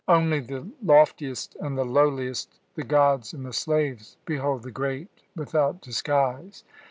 Only the loftiest and the lowliest, the gods and the slaves, behold the great without disguise.